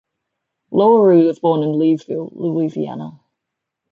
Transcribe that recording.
Lowery was born in Leesville, Louisiana.